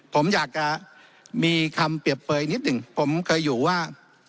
ผมอยากจะมีคำเปรียบเปยนิดหนึ่งผมเคยอยู่ว่า